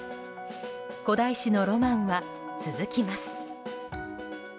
古代史のロマンは続きます。